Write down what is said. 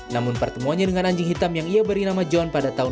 namun pertemuannya dengan anjing hitam yang ia beri nama john pada tahun dua ribu